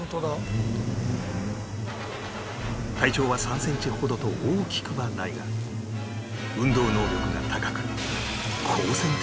体長は３センチほどと大きくはないが運動能力が高く好戦的な性格